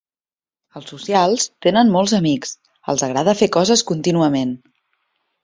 Els socials tenen molts amics, els agrada fer coses contínuament.